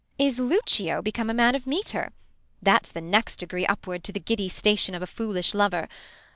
Beat. Is Lucio become a man of metre 1 That's the next degree upward to the giddy Station of a foolish lover.